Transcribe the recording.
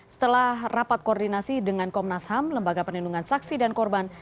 setelah rapat koordinasi dengan komnas ham lembaga perlindungan saksi dan korban